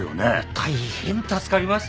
大変助かりますね。